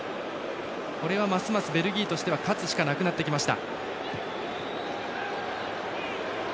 これはますますベルギーとしては勝つしかなくなってきました。